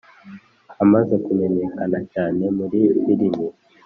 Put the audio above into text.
amaze kumenyekana cyane muri filimi.